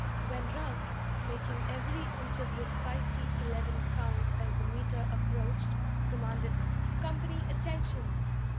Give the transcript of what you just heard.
When Ruggs, making every inch of his five feet eleven count as the Meter approached, commanded 'Company, attention!'